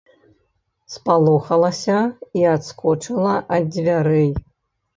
Спалохалася і адскочыла ад дзвярэй.